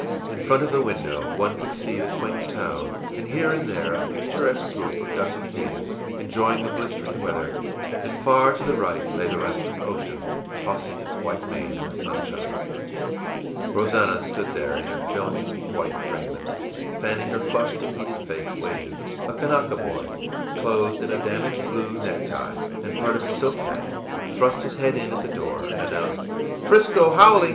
In front of the window one could see the quaint town, and here and there a picturesque group of dusky natives, enjoying the blistering weather; and far to the right lay the restless ocean, tossing its white mane in the sunshine. Rosannah stood there, in her filmy white raiment, fanning her flushed and heated face, waiting. A Kanaka boy, clothed in a damaged blue necktie and part of a silk hat, thrust his head in at the door, and announced, ì'Frisco haole!